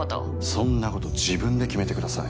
そんなこと自分で決めてください。